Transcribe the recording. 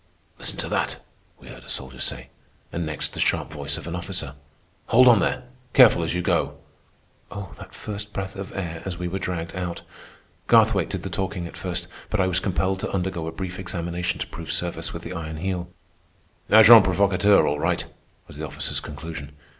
"Listen to that," we heard a soldier say. And next the sharp voice of an officer. "Hold on there! Careful as you go!" Oh, that first breath of air as we were dragged out! Garthwaite did the talking at first, but I was compelled to undergo a brief examination to prove service with the Iron Heel. "Agents provocateurs all right," was the officer's conclusion.